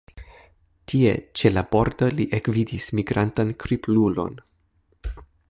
Tie ĉe la bordo li ekvidis migrantan kriplulon.